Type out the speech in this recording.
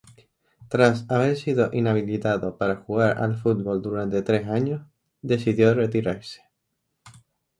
Tras haber sido inhabilitado para jugar al fútbol durante tres años, decidió retirarse.